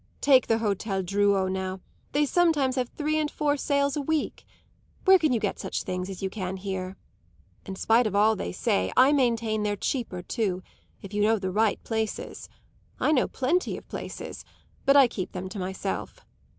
Take the Hôtel Drouot, now; they sometimes have three and four sales a week. Where can you get such things as you can here? In spite of all they say I maintain they're cheaper too, if you know the right places. I know plenty of places, but I keep them to myself.